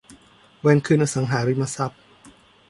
เวนคืนอสังหาริมทรัพย์